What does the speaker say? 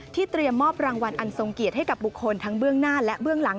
เตรียมมอบรางวัลอันทรงเกียรติให้กับบุคคลทั้งเบื้องหน้าและเบื้องหลัง